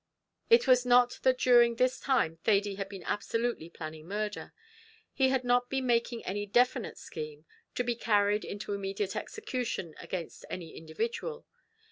It was not that during this time Thady had been absolutely planning murder. He had not been making any definite scheme, to be carried into immediate execution against any individual.